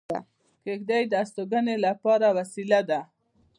کېږدۍ د استوګنې لپاره وسیله ده